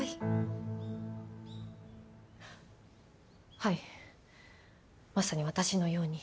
はいまさに私のように。